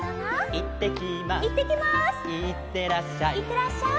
「いってらっしゃい」